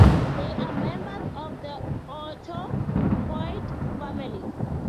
They are members of the autacoid family.